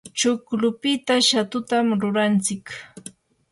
chuklupita shatutam rurantsik.